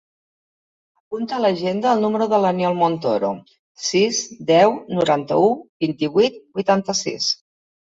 Apunta a l'agenda el número de l'Aniol Montoro: sis, deu, noranta-u, vint-i-vuit, vuitanta-sis.